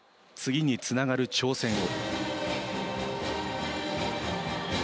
次につながる挑戦。